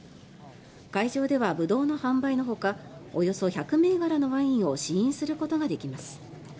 会場ではブドウの販売のほかおよそ１００銘柄のワインを試飲することができます。